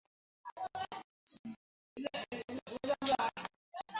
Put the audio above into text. তিনি ব্রিটিশ ভারতের বোম্বে শহরে জন্মগ্রহণ করেন।